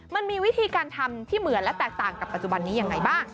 มันมีวิธีการทำที่เหมือนและแตกต่างกับปัจจุบันนี้ยังไงบ้าง